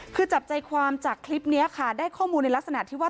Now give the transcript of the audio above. คือจับใจความจากคลิปนี้ค่ะได้ข้อมูลในลักษณะที่ว่า